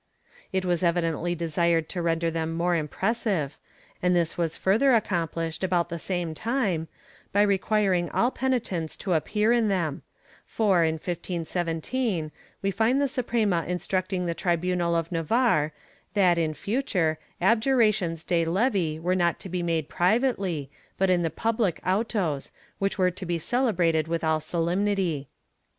^ It was evidently desired to render them more impressive, and this was further accomplished, about the same time, by requiring all penitents to appear in them for, in 1517, we find the Suprema instructing the tribunal of Navarre that, in future, abjurations de levi were not to be made privately, but in the public autos, which were to be celebrated with all solemnity.